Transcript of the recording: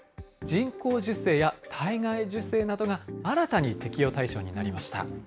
人工授精や体外受精などが新たに適用対象になりました。